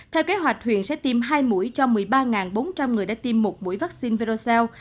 theo kế hoạch huyện sẽ tiêm hai mũi cho một mươi ba bốn trăm linh người đã tiêm một mũi vaccineer